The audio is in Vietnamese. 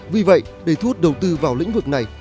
vì vậy để thu hút đầu tư vào lĩnh vực này